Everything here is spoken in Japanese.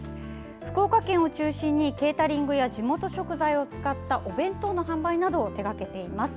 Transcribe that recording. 福岡県を中心にケータリングや地元食材を使ったお弁当の販売などを手がけています。